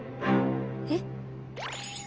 えっ！？